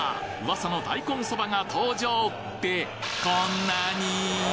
噂の大根そばが登場ってこんなに！？